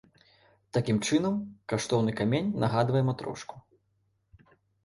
Такім чынам, каштоўны камень нагадвае матрошку.